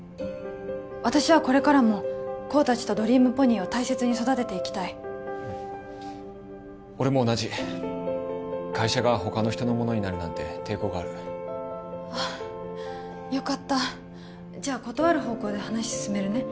私はこれからも功達とドリームポニーを大切に育てていきたいうん俺も同じ会社が他の人のものになるなんて抵抗があるあっよかったじゃあ断る方向で話進めるね